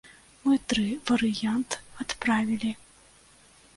Мы тры варыянт адправілі.